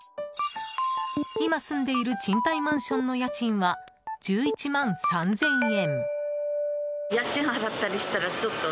今住んでいる賃貸マンションの家賃は、１１万３０００円。